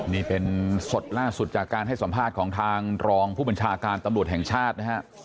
นี่เป็นสดล่าสุดจากการให้สัมภาษณ์ของทางรองผู้บัญชาการตำรวจแห่งชาตินะฮะ